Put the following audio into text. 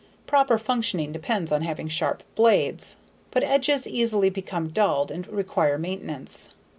Proper functioning depends on having sharp blades. But edges easily become dulled and require maintenance.